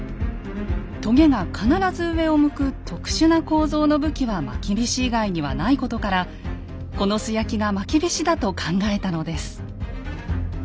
とげが必ず上を向く特殊な構造の武器はまきびし以外にはないことからこの素焼きがまきびしだと考えたのです。